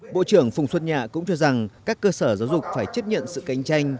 bộ trưởng phùng xuân nhạ cũng cho rằng các cơ sở giáo dục phải chấp nhận sự cạnh tranh